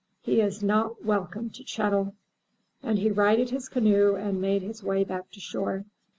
"He is not welcome to Chet'l!" and he righted his canoe and made his way back to shore.